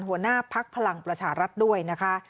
หัวหน้าภักดิ์พลังประชารัฐด้วยนะคะ